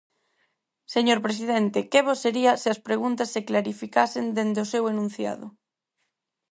Señor presidente, que bo sería se as preguntas se clarificasen dende o seu enunciado.